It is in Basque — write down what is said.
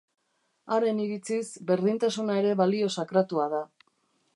Haren iritziz berdintasuna ere balio sakratua da.